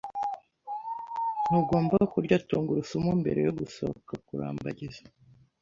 Ntugomba kurya tungurusumu mbere yo gusohoka kurambagiza.